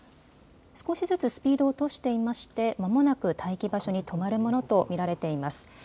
少しずつスピードを落としていましてまもなく待機場所に止まるものとみられています。